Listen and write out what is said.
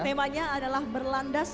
temanya adalah berlandas